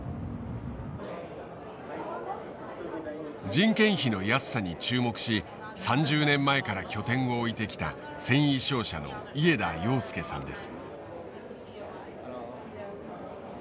人件費の安さに注目し３０年前から拠点を置いてきた繊維商社の家田洋輔さんです。